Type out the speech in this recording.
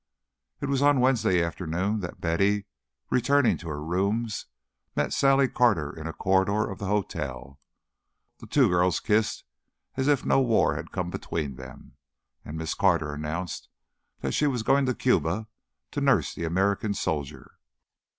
It was on Wednesday afternoon that Betty, returning to her rooms, met Sally Carter in a corridor of the hotel. The two girls kissed as if no war had come between them, and Miss Carter announced that she was going to Cuba to nurse the American soldier.